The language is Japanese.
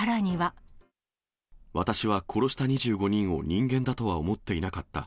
私は殺した２５人を人間だとは思っていなかった。